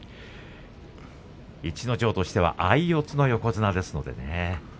逸ノ城としては相四つの横綱です。